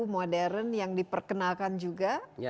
modern yang diperkenalkan juga